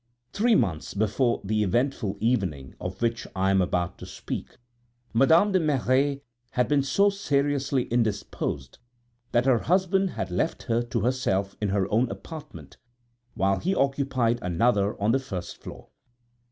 Three months before the eventful evening of which I am about to speak, Madame de Merret had been so seriously indisposed that her husband had left her to herself in her own apartment, while he occupied another on the first floor.